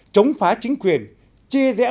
chống phá chính quyền chia rẽ